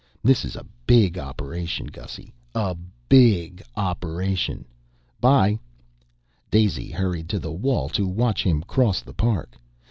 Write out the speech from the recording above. This is a big operation, Gussy a biiiiiiig operation! 'By!" Daisy hurried to the wall to watch him cross the park.